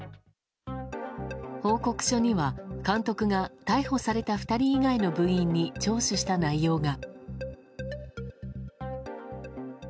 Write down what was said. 報告書には、監督が逮捕された２人以外の部員に聴取した内容が。